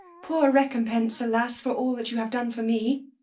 Poor recompence, alas, for all you have done for me!